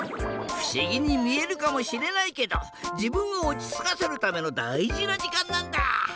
ふしぎにみえるかもしれないけどじぶんをおちつかせるためのだいじなじかんなんだ。